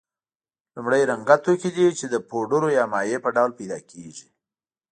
لومړی رنګه توکي دي چې د پوډرو یا مایع په ډول پیدا کیږي.